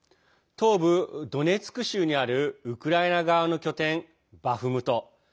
東部ドネツク州にあるウクライナ側の拠点、バフムト。